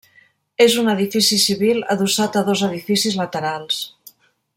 És un edifici civil adossat a dos edificis laterals.